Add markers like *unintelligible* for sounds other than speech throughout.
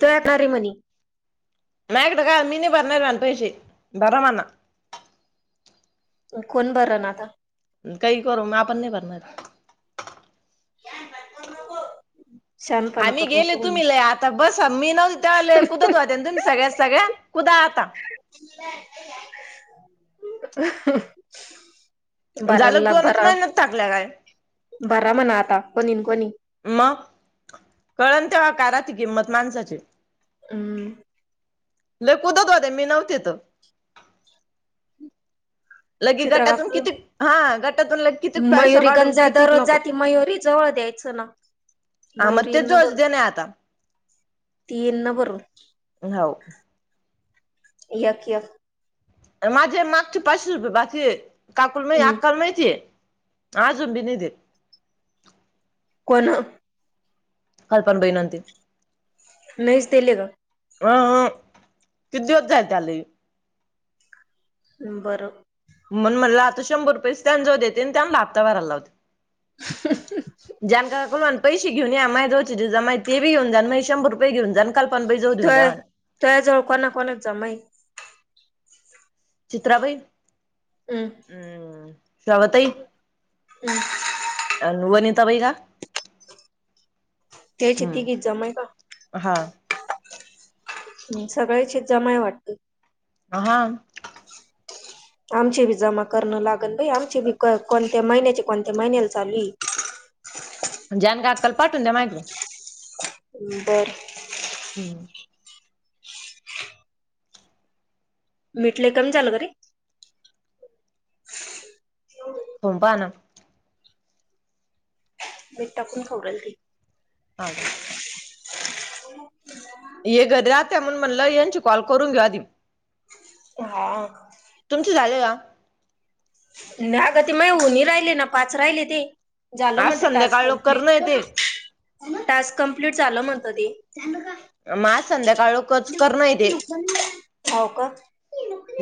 त्यां खांरी मणी नाहीं तरं कायं मी नाहीं भरणांर पैसे भरां म्हनां मंग कोणं भरणं आंता कांहीं करूं मंग आपणं नाहीं भरणांर शहाणपणा आम्हीं करू गेले नको म्हणे तुम्हीं लंय आंत आंता बसं मी नं आले कुंदच वाहते नां तुम्हीं सगळ्यांत सगळ्यां कुंदा आंता *unintelligible* झालं दोनचं महीन्यांत थकल्यां कायं भरां म्हनां आंता कोणीन कोणी मंग कळंन तेंव्हां कारांती किंमत माणसांची अं हम्मं लंय कुंदत होते मी नव्हती तरं लगे चित्रा गटांतूंन काकू किती हां गटांतूंन लगे किती पैसा मयुरी काढून गंजा कितीक दररोज नको जांती मयुरी जवळं द्यायचं नां आं मंग ते जोजदेणं आहे आंता तीई नं भरूंन नांव्ह एक एक माझे मागचे पांचशे रुपये बाकी आहे काकूंला मं हम्म अकांला माहिती आहे अजूंन बी नाहीं देेतं कोणं काल्पंना बाई नाहीं देतं नाहींच देले कायं अं हांव किती दिवसं झाले त्यांले हम्मं बरं म्हणूंन म्हटलं आंता शंभर रुपये त्यां जवळं देते आणि त्यांना हप्ता भरांयला लावते ह *unintelligible* जानका काकु मला पैसे घेऊन या, माझ्या जवळचे जे जमा आहे ते बी घेऊन जा, आणि माझे शंभर रुपये घेऊन जा. कल्पना बाईं जवळ देऊ द्या मला. तुझ्या जवळ कोणाना कोणात जमा आहे? चित्राबाई हम. हम्म, श्रावतई हम्म अन वनिताबाई का? तेची हम्म तीगी जमय का? हा. ह सगळ्याची जमा आहे वाटते. ह हा *unintelligible* आमचे बी जमा करणं लागल बाई, आमचे बी कोणत्या महिन्याचे, कोणत्या महिन्याला चालू. जान काकुला पाटून द्या मायकडे. बरं. हम्म. मिठले कमी झालं घरीे करून पाहा ना. मीट टाकून खाऊ घालती ती. ह का? *inaudible* हे घरी राहत्या म्हणून म्हणलं, यांची कॉल करून घे आधी. हा. तुमचं झालंय का? आता ते माय होऊ नाही राहिले ना, पाच राहिले ते. झालं आज मझ टास्क संध्याकाळ लोक करणं येते कमप्लीट. टास्क कमप्लीट झाल म्हणत ते. म आज संध्याकाळ कच करण ते. हो का?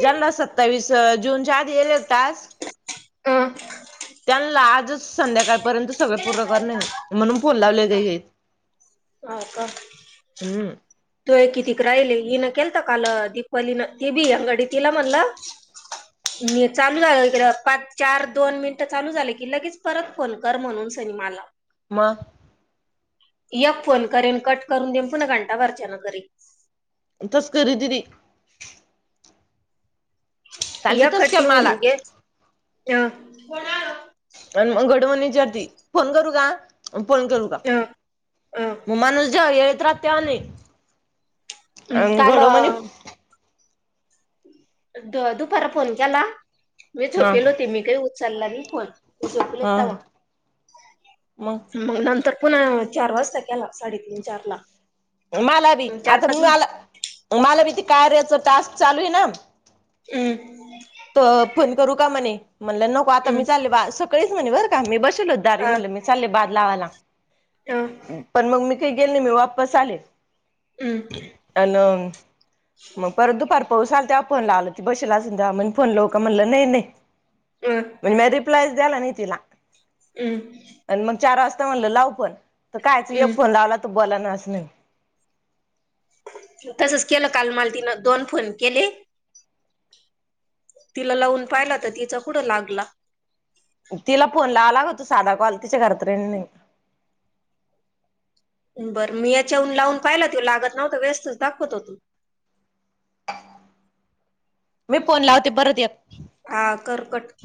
ज्यांना सत्तावीस जूनच्या आधी येले टास्क, अं, त्याना आजच संध्याकाळपर्यंत सगळ पूर्ण करणे, म्हणून फोल लावले हे. हा का? हम्म तू ए कितिक राहिले, हीनं केलता काल दीपवाली न ती बि गडी तिला म्हणलं चालू झालं इकडे, पाच चार दोन मिनट चालू झाले की लगेच परत फोनकर म्हणून सिनेमाला. म एक फोन करेन कट करून देन, पुन्हा घंटा भरच्यान करी. तस करी दीदी. काल बी या तस केल कटी मला होऊने अ *inaudible* पण मग घडवणी विचारते, फोन करू का? फोन करू का? अ अ मग माणूस ज्या येत राहते तेव्हा नाही. अ काल घडो मणे द दुपार फोन केला, मी हा झोपेल होती मी काही उचलला नाही फोन. झोपले हा तवा. मग नंतर पुन्हा चार वाजता केला, साडेतीन चार ला. मलां बी आंता मलां मलां बी ते कार्याच टांस्क चालूं आहे नां हम्मं तं फोन करूं कां म्हंणे म्हणलं नको आंता मी चालले सगळीचं म्हणे बरं कां मी बसेलो दारी म्हणलं मी चालले बांद लावांला पणं मंग मी कांहीं गेलं नाहीं मी वापसं आले हॉलो अं मंग परंत दु फांर पाऊस आलं त्यां फोन लावला आलं ती बशीला सुद्धां म्हंण फोन लावला कां म्हणलं नाहीं नाहीं म्हणजे मं प्लेस द्यांला नाहीं तिलां हम्मं आणि मंग चार वाजतां म्हणलं लांव फोन पणं तरं कायचं एक फोन पणं लावला तरं बोले नां असं नाहीं तसंच केलं कांल मांल तिनं दोन फोन केले तिलां लावूंन पाहिला तरं तिलां कुंढं लागलां तिलां फोन लावला म्हटलं सांधा कॉल तिच्यां घरांत रेंज नाहीं बरं मी यांच्याहून लावूंन पाहिला तरं लागतं नव्हतं व्यं स्तचं दाखवंत होतां मी फोन लावते परंत एक हां करं र्कट